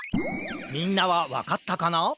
みんなはわかったかな？